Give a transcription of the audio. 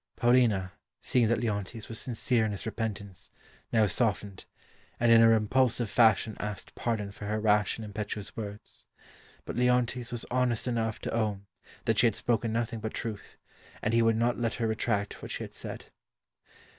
Paulina, seeing that Leontes was sincere in his repentance, now softened, and in her impulsive fashion asked pardon for her rash and impetuous words. But Leontes was honest enough to own that she had spoken nothing but truth, and he would not let her retract what she had said.